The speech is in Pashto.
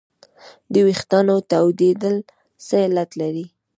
د وېښتانو تویدل څه علت لري